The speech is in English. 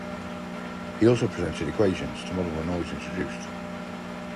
He also presented equations to model the noise introduced.